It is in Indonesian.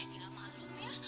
ya malu dia